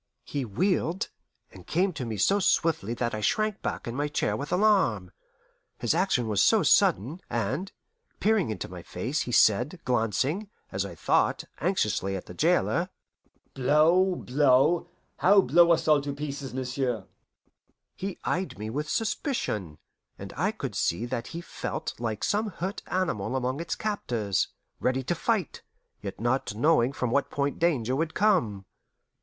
He wheeled, and came to me so swiftly that I shrank back in my chair with alarm, his action was so sudden, and, peering into my face, he said, glancing, as I thought, anxiously at the jailer, "Blow blow how blow us all to pieces, m'sieu'?" He eyed me with suspicion, and I could see that he felt like some hurt animal among its captors, ready to fight, yet not knowing from what point danger would come.